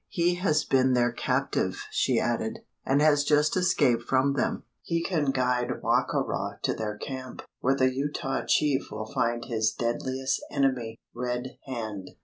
"He has been their captive," she added, "and has just escaped from them. He can guide Wa ka ra to their camp, where the Utah chief will find his deadliest enemy Red Hand."